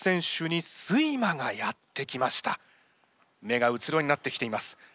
目がうつろになってきています。